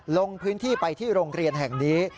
ลงพื้นที่ไปที่โรงเรียนแห่งนี้